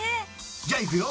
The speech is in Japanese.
じゃあいくよ。